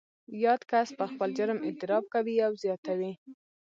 یاد کس پر خپل جرم اعتراف کوي او زیاتوي